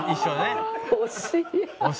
惜しい。